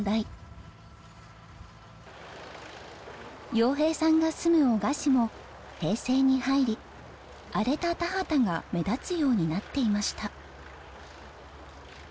洋平さんが住む男鹿市も平成に入り荒れた田畑が目立つようになっていました。